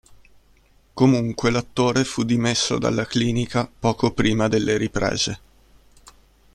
Comunque l'attore fu dimesso dalla clinica poco prima delle riprese.